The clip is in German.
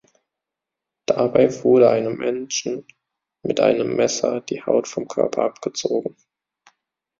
Dabei wurde einem Menschen mit einem Messer die Haut vom Körper abgezogen.